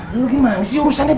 lu gimana sih urusannya